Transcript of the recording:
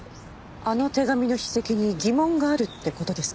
あの手紙の筆跡に疑問があるって事ですか？